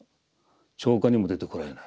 朝課にも出てこられない。